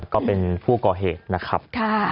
ก็เป็นผู้ก่อเหตุนะครับ